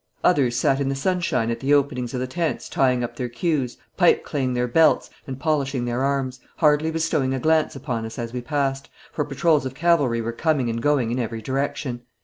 Others sat in the sunshine at the openings of the tents tying up their queues, pipe claying their belts, and polishing their arms, hardly bestowing a glance upon us as we passed, for patrols of cavalry were coming and going in every direction.